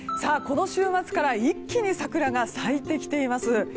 この週末から一気に桜が咲いてきています。